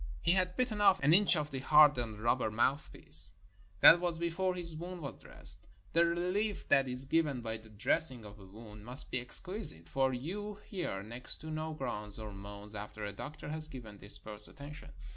He had bitten off an inch of the hardened rubber mouthpiece. That was before his wound was dressed. The relief that is given by the dressing of a wound must be exquisite, for you hear next to no groans or moans after a doctor has given this first attention.